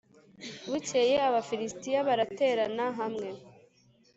bukeye abafilisitiya baraterana hamwe